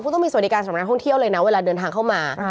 ต้องมีสวัสดิการสำหรับนักท่องเที่ยวเลยนะเวลาเดินทางเข้ามา